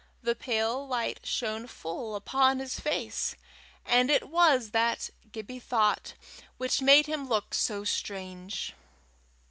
The pale light shone full upon his face, and it was that, Gibbie thought, which made him look so strange.